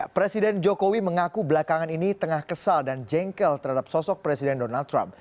presiden jokowi mengaku belakangan ini tengah kesal dan jengkel terhadap sosok presiden donald trump